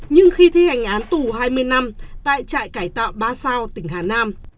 nhưng khi thi hành án tù hai mươi năm tại trại cải tạo ba sao tỉnh hà nam